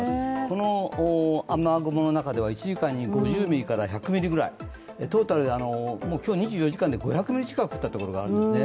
この雨雲の中では１時間に５０ミリから１００ミリぐらい、トータルで今日２４時間で５００ミリ近くが降ったということがあるんですね。